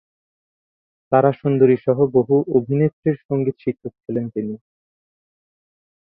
তারা সুন্দরী-সহ বহু অভিনেত্রীর সংগীত শিক্ষক ছিলেন তিনি।